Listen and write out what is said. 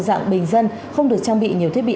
dạng bình dân không được trang bị nhiều thiết bị